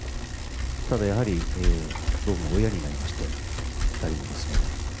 ただやはり、僕も親になりまして、２人の娘の。